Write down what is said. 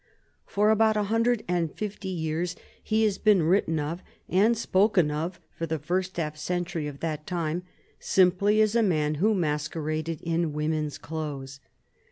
For about a hundred and fifty years he has been written of and spoken of for the first half century of that time simply as a man who masqueraded in woman's clothes.